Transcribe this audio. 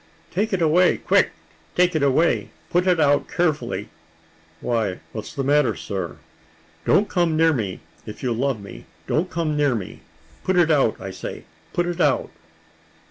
"Take it away quick, take it away; put it out carefully." "Why, what's the matter, sir?" "Don't come near me, if you love me; don't come near me. Put it out, I say put it out."